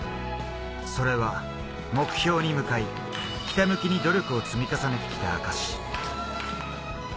それは目標に向かい、ひたむきに努力を積み重ねてきた証し。